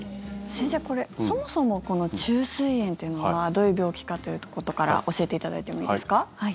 先生、そもそも虫垂炎っていうのはどういう病気かということから教えていただいてもいいですか。